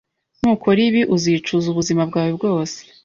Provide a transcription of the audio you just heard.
Nukora ibi, uzicuza ubuzima bwawe bwose.